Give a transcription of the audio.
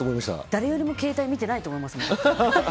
誰よりも携帯を見てないと思いますもん。